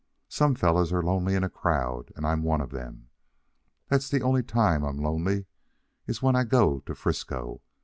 Some fellers are lonely in a crowd, and I'm one of them. That's the only time I'm lonely, is when I go to 'Frisco.